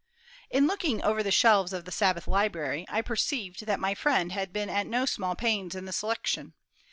On looking over the shelves of the Sabbath Library, I perceived that my friend had been at no small pains in the selection.